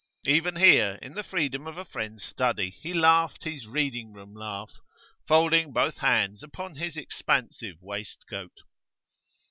Even here, in the freedom of a friend's study, he laughed his Reading room laugh, folding both hands upon his expansive waistcoat.